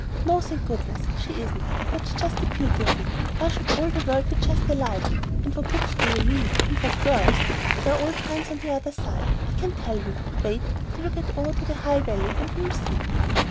"No, thank goodness she isn't; that's just the beauty of it. Why should all the world be just alike? And what books do you mean, and what girls? There are all kinds on the other side, I can tell you. Wait till you get over to the High Valley and you'll see."